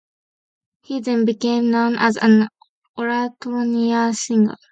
He then became known as an oratorio singer.